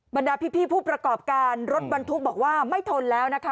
บรรดาพี่ผู้ประกอบการรถบรรทุกบอกว่าไม่ทนแล้วนะคะ